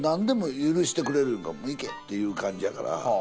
いうかいけっていう感じやから。